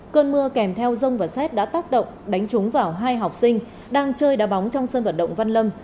cơn mưa kèm theo rông và xét đã tác động đánh trúng vào hai học sinh đang chơi đá bóng trong sân vận động văn lâm